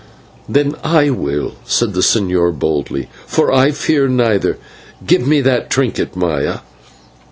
"Then I will," said the señor boldly, "for I fear neither. Give me that trinket, Maya."